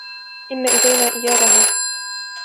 إِنَّ إِلَيْنَا إِيَابَهُمْ